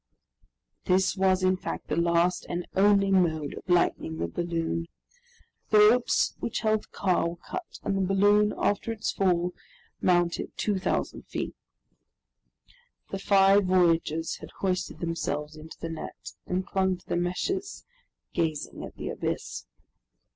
This was, in fact, the last and only mode of lightening the balloon. The ropes which held the car were cut, and the balloon, after its fall, mounted 2,000 feet. The five voyagers had hoisted themselves into the net, and clung to the meshes, gazing at the abyss.